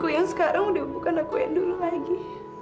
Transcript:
tapi yang sekarang udah bukan aku yang dulu lagi